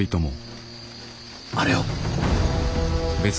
あれを！